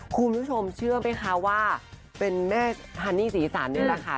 คุณผู้ชมเชื่อไหมคะว่าเป็นแม่ฮันนี่ศรีสันนี่แหละค่ะ